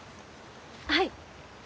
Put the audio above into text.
はい。